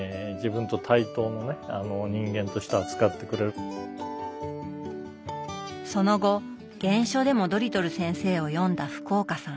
そしてその後原書でもドリトル先生を読んだ福岡さん。